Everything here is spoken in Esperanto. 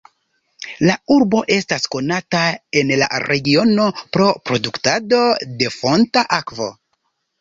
La urbo estas konata en la regiono pro produktado de fonta akvo.